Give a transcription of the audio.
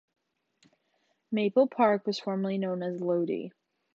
Maple Park was formerly known as Lodi.